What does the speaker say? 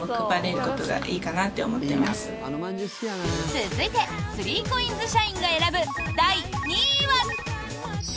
続いて３ＣＯＩＮＳ社員が選ぶ第２位は。